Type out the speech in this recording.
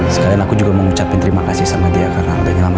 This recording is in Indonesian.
sekalian aku juga mau ngucapin terima kasih sama dia karena udah nyelamatin kamu